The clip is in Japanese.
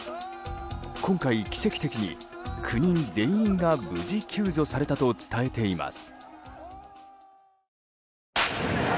今回、奇跡的に９人全員が無事救助されたと伝えられています。